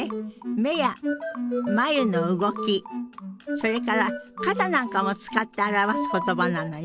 目や眉の動きそれから肩なんかも使って表す言葉なのよ。